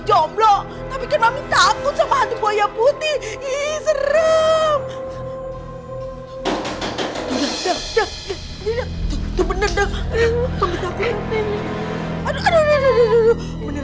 jomblo tapi kemarin takut sama hantu buaya putih ii serem bener bener